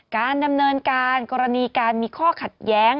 การดำเนินการกรณีการมีข้อขัดแย้ง